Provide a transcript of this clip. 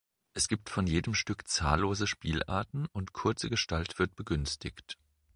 Es gibt von jedem Stück zahllose Spielarten und kurze Gestalt wird begünstigt.